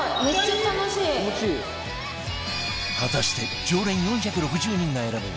果たして常連４６０人が選ぶ